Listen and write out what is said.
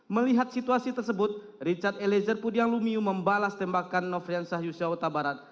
melihat situasi tersebut richard elezer pudiang lumiu membalas tembakan nofrian sahius syahuta barat